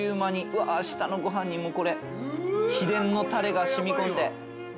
うわ下のご飯にも秘伝のたれが染み込んで。